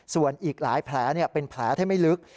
ส่วนอีกหลายแผลเป็นแผลที่ไม่ลึก